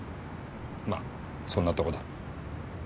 まあそんなとこだ。